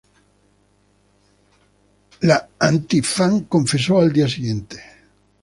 La anti fan confesó al día siguiente.